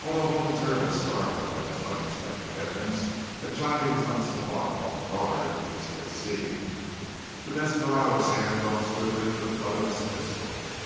Although momentarily startled by this unexpected evidence that Johnny was not so far off guard as he had seemed, the desperado's hand dropped swiftly to the butt of his pistol.